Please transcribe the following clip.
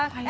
eh bu put